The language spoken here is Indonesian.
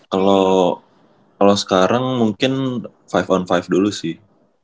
kalau sekarang mungkin lima on lima dulu sih